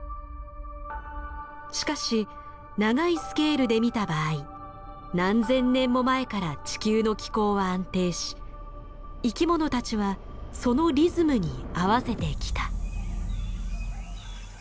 しかし長いスケールで見た場合何千年も前から地球の気候は安定し生きものたちはそのリズムに合わせてきた。